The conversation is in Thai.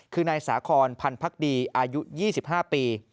คือในสาครพันธุ์พักดีอายุ๒๕ปี